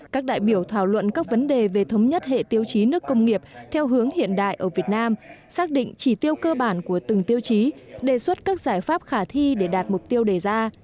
các đại biểu thảo luận các vấn đề về thống nhất hệ tiêu chí nước công nghiệp theo hướng hiện đại ở việt nam xác định chỉ tiêu cơ bản của từng tiêu chí đề xuất các giải pháp khả thi để đạt mục tiêu đề ra